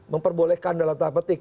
memperbolehkan dalam tata petik